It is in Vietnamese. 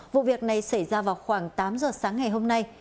vụ việc này xảy ra vào khoảng tám giờ sáng ngày hôm nay